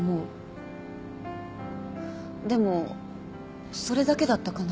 でもそれだけだったかな？